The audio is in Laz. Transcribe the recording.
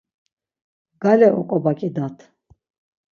gale oǩobaǩidat.